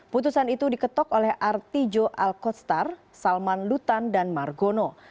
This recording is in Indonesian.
putusan itu diketok oleh artijo alkostar salman lutan dan margono